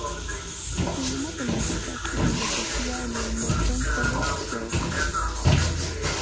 Estudió matemáticas y filosofía en el Merton College de Oxford.